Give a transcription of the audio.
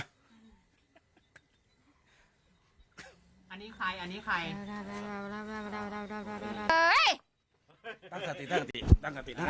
อันนี้ใครอันนี้ใคร